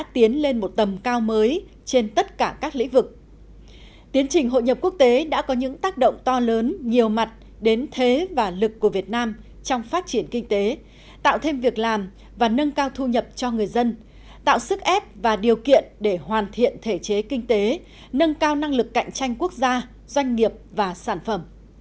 tiến trình hội nhập quốc tế đã có những tác động to lớn nhiều mặt đến thế và lực của việt nam trong phát triển kinh tế tạo thêm việc làm và nâng cao thu nhập cho người dân tạo sức ép và điều kiện để hoàn thiện thể chế kinh tế nâng cao năng lực cạnh tranh quốc gia doanh nghiệp và sản phẩm